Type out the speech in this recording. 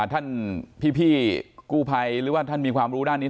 ท่านพี่กู้ภัยหรือว่าท่านมีความรู้ด้านนี้